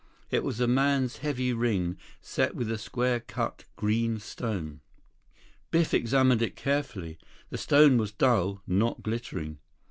It was a man's heavy ring, set with a square cut green stone. Biff examined it carefully. The stone was dull, not glittering.